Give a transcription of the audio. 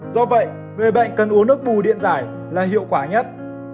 do vậy người bệnh cần uống nước bù điện giải là hiệu quả nhất